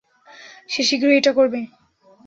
সে শীঘ্রই এটা করবে।